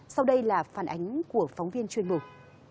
sau đây là phản ánh của phóng viên chuyên mục